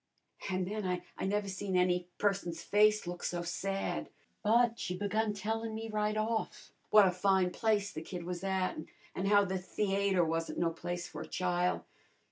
An' then I never seen any person's face look so sad. But she begun tellin' me right off w'at a fine place the kid was at, an' how the theayter wasn't no place for a chile.